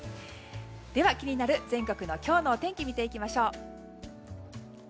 では気になる全国の今日のお天気見ていきましょう。